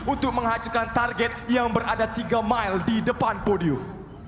untuk menghancurkan target yang berada tiga mile di depan podium